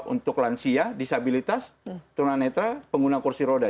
untuk lansia disabilitas turunan netra pengguna kursi roda